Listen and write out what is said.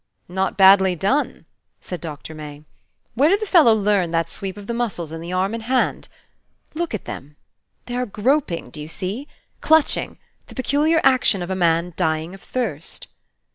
"Not badly done," said Doctor May, "Where did the fellow learn that sweep of the muscles in the arm and hand? Look at them! They are groping, do you see? clutching: the peculiar action of a man dying of thirst."